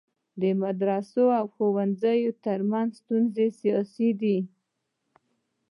د مدرسي او ښوونځی ترمنځ ستونزه سیاسي ده.